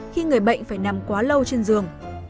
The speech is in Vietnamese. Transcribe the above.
khi người bệnh phải nằm quá lâu trên giường